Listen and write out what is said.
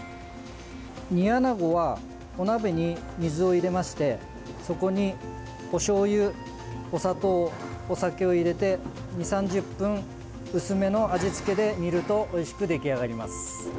煮アナゴはお鍋に水を入れましてそこにおしょうゆ、お砂糖お酒を入れて２０３０分薄めの味付けで煮るとおいしく出来上がります。